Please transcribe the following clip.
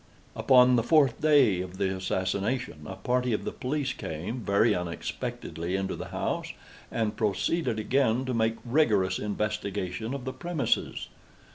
Upon the fourth day of the assassination, a party of the police came, very unexpectedly, into the house, and proceeded again to make rigorous investigation of the premises.